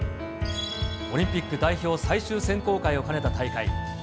オリンピック代表最終選考会を兼ねた大会。